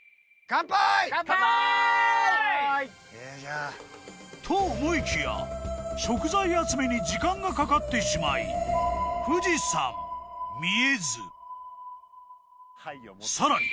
乾杯！と思いきや食材集めに時間がかかってしまい富士山見えずさらに